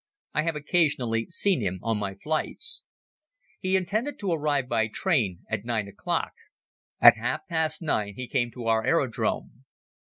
I have occasionally seen him on my flights. He intended to arrive by train at nine o'clock. At half past nine he came to our aerodrome.